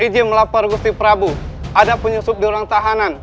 kepalapar gusti prabu ada penyusup di ruang tahanan